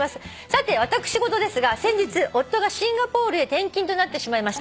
「さて私事ですが先日夫がシンガポールへ転勤となってしまいました」